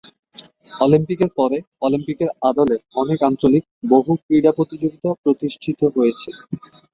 অলিম্পিকের পরে অলিম্পিক এর আদলে অনেক আঞ্চলিক বহু-ক্রীড়া প্রতিযোগিতা প্রতিষ্ঠিত হয়েছে।